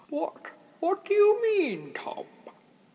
"What—what do you mean, Tom?"